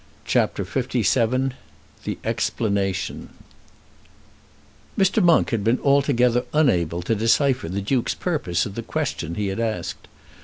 CHAPTER LVII The Explanation Mr. Monk had been altogether unable to decipher the Duke's purpose in the question he had asked.